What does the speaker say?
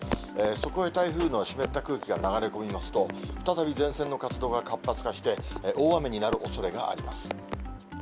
そこへ台風の湿った空気が流れ込みますと、再び前線の活動が活発化して、大雨になるおそれがあります。